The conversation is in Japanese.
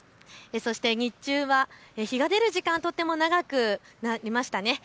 そして日中は日が出る時間、とっても長くなりましたね。